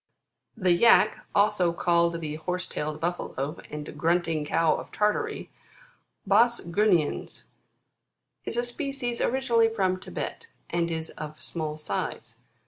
14. The Yack, also called the Horse tailed Buffalo, and Grunting Cow of tartary, Bos Grunuiens, (Plate 5, fiy. 13.) is a species originally from Thibet, and is of small size.